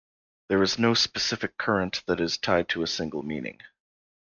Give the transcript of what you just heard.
There is no specific current that is tied to a single meaning.